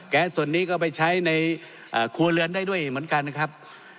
ส่วนนี้ก็ไปใช้ในครัวเรือนได้ด้วยเหมือนกันนะครับ